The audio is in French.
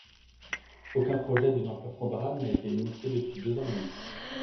Aucun projet d’une ampleur comparable n’a été initié depuis deux ans et demi.